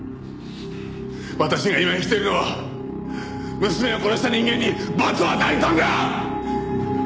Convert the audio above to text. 私が今生きているのは娘を殺した人間に罰を与えるためだ！